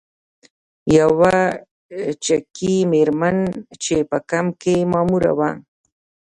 یوه چکي میرمن چې په کمپ کې ماموره وه.